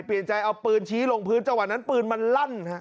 เอาปืนชี้ลงพื้นจังหวัดนั้นปืนมันลั่น